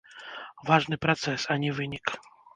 Важны працэс, а не вынік.